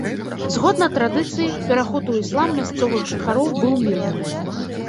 Згодна традыцыі, пераход у іслам мясцовых жыхароў быў мірны.